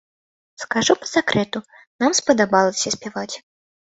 Скажу па сакрэту, нам спадабалася спяваць.